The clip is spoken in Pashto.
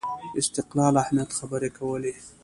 استقلال اهمیت خبرې کولې